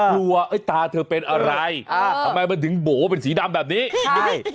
กลัวตาเธอเป็นอะไรทำไมมันถึงโบ๋เป็นสีดำแบบนี้